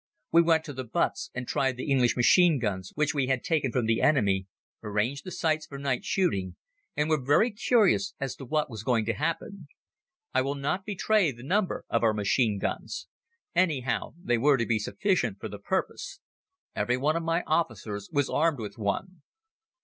We went to the butts and tried the English machine guns which we had taken from the enemy, arranged the sights for night shooting and were very curious as to what was going to happen. I will not betray the number of our machine guns. Anyhow, they were to be sufficient for the purpose. Every one of my officers was armed with one.